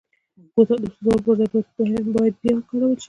بوتل د سوزولو پر ځای باید بیا وکارول شي.